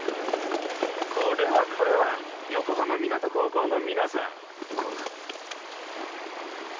これはこれは横浜湊高校の皆さん。